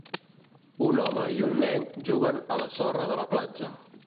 Un home i un nen juguen a la sorra de la platja.